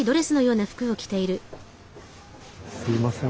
すいません。